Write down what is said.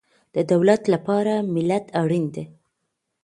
د دولت لپاره ملت اړین دی